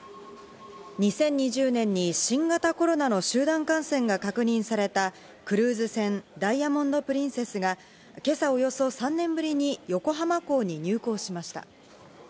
２０２０年に新型コロナの集団感染が確認されたクルーズ船、ダイヤモンド・プリンセスが今朝およそ３年ぶりに横浜港に入港しました。